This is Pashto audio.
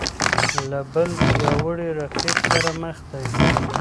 له بل پیاوړي رقیب سره مخ دی